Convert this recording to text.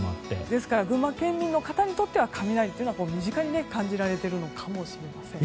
ですから群馬県民の方には雷は身近に感じられているのかもしれません。